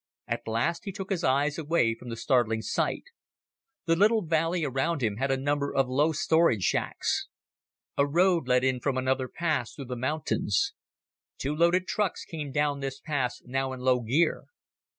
At last he took his eyes away from the startling sight. The little valley around him had a number of low storage shacks. A road led in from another pass through the mountains. Two loaded trucks came down this pass now in low gear.